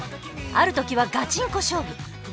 ある時はガチンコ勝負。